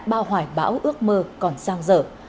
bao hoài bão ước mơ còn sang giờ